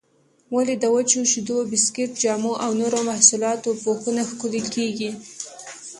ولې د وچو شیدو، بسکېټ، جامو او نورو محصولاتو پوښونه ښکلي کېږي؟